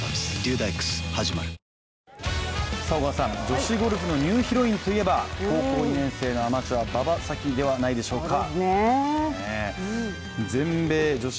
女子ゴルフのニューヒロインといえば高校２年生のアマチュア、馬場咲希ではないでしょうか。